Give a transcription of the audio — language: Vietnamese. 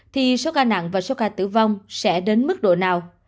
thì số ca nặng và số ca tử vong sẽ đến mức độ nào